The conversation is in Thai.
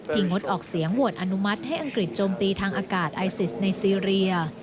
งดออกเสียงโหวตอนุมัติให้อังกฤษโจมตีทางอากาศไอซิสในซีเรีย